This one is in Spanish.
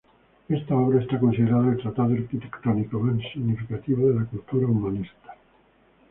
Esta obra es considerada el tratado arquitectónico más significativo de la cultura humanista.